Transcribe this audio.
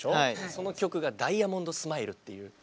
その曲が「ダイヤモンドスマイル」っていうそこは逆に。